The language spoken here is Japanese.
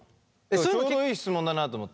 ちょうどいい質問だなと思って。